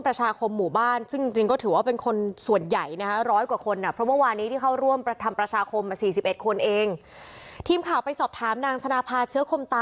ประชาคมหมู่บ้านซึ่งจริงจริงก็ถือว่าเป็นคนส่วนใหญ่นะฮะ